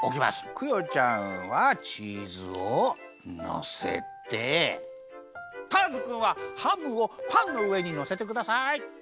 クヨちゃんはチーズをのせてターズくんはハムをパンのうえにのせてください！